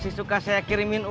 bunga sudah selesai nyapunya